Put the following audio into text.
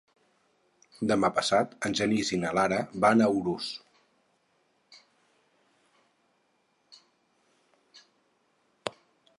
Demà passat en Genís i na Lara van a Urús.